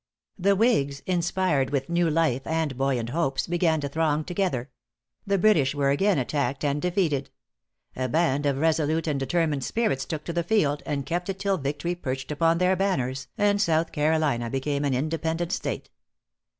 The whigs, inspired with new life and buoyant hopes, began to throng together; the British were again attacked and defeated; a band of resolute and determined spirits took the field, and kept it till victory perched upon their banners, and South Carolina became an independent State.